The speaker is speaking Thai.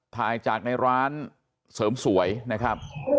ถ่ายจากในร้านเสริมสวยนะครับ